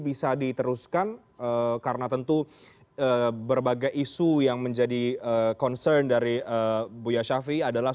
bisa diteruskan karena tentu berbagai isu yang menjadi concern dari buya shafi'i adalah